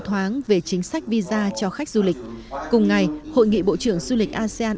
thoáng về chính sách visa cho khách du lịch cùng ngày hội nghị bộ trưởng du lịch asean